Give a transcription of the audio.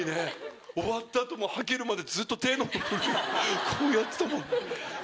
終わった後もはけるまでずっと手こうやってたもんね。